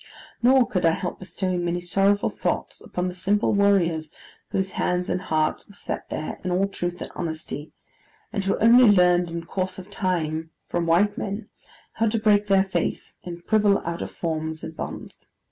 Nor could I help bestowing many sorrowful thoughts upon the simple warriors whose hands and hearts were set there, in all truth and honesty; and who only learned in course of time from white men how to break their faith, and quibble out of forms and bonds.